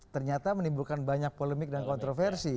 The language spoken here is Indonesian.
ternyata menimbulkan banyak polemik dan kontroversi